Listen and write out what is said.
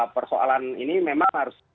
persoalan ini memang harus